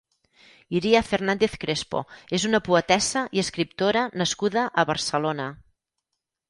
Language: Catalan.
Iria Fernández Crespo és una poetessa i escriptora nascuda a Barcelona.